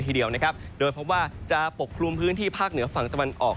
ทีเดียวนะครับโดยพบว่าจะปกคลุมพื้นที่ภาคเหนือฝั่งตะวันออก